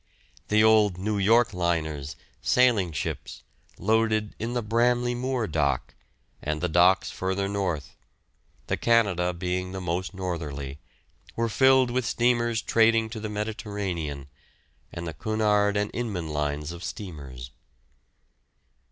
The old New York liners, sailing ships, loaded in the Bramley Moore dock; and the docks further north, the Canada being the most northerly, were filled with steamers trading to the Mediterranean, and the Cunard and Inman lines of steamers.